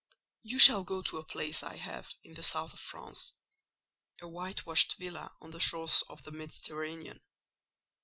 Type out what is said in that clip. You shall go to a place I have in the south of France: a whitewashed villa on the shores of the Mediterranean.